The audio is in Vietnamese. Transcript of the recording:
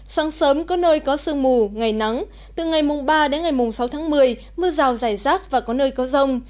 sáng sớm có nơi có sương mù ngày nắng từ ngày mổng ba đến ngày mổng sáu tháng một mươi mưa rào dài rác và có nơi có rông